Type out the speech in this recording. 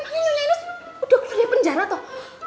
memangnya nyonya inez udah kuliah penjara toh